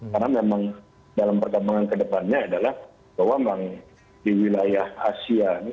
karena memang dalam perkembangan kedepannya adalah bahwa memang di wilayah asia